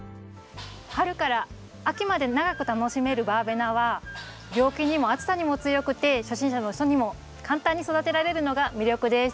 春から秋まで長く楽しめるバーベナは病気にも暑さにも強くて初心者の人にも簡単に育てられるのが魅力です。